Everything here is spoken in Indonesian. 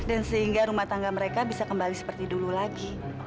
dan sehingga rumah tangga mereka bisa kembali seperti dulu lagi